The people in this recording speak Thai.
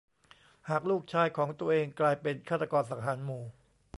หากลูกชายของตัวเองกลายเป็นฆาตกรสังหารหมู่